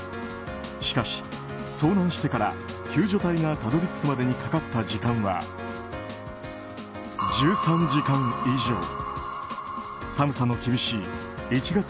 しかし、遭難してから救助隊がたどり着くまでにかかった時間は１３時間以上。